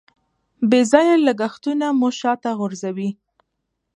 بې ځایه لګښتونه مو شاته غورځوي.